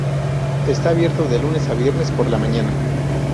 Está abierto de lunes a viernes por la mañana.